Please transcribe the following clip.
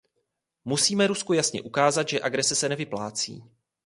Musíme Rusku jasně ukázat, že agrese se nevyplácí.